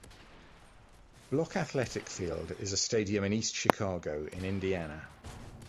Block Athletic Field is a stadium in East Chicago, Indiana.